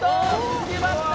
いきました！